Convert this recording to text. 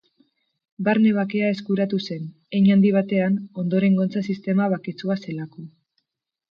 Barne bakea eskuratu zen, hein handi batean, ondorengotza-sistema baketsua zelako.